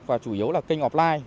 và chủ yếu là kênh offline